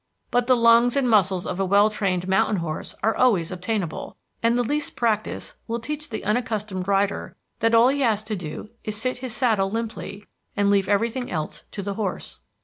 But the lungs and muscles of a well trained mountain horse are always obtainable, and the least practice will teach the unaccustomed rider that all he has to do is to sit his saddle limply and leave everything else to the horse.